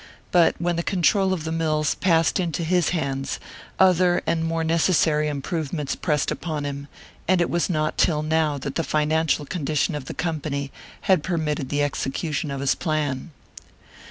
But when the control of the mills passed into his hands other and more necessary improvements pressed upon him; and it was not till now that the financial condition of the company had permitted the execution of his plan.